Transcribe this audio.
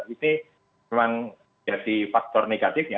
ini memang jadi faktor negatifnya